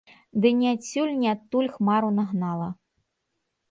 Ды ні адсюль, ні адтуль хмару нагнала.